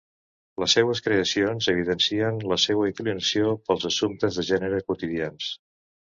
Les seues creacions evidencien la seua inclinació pels assumptes de gènere, quotidians.